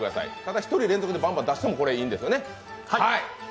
１人連続でバンバン出してもいいんですよね。